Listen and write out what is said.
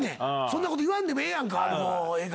そんなこと言わんでもええやんかええ